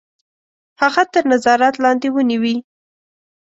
هغه تر نظارت لاندي ونیوی.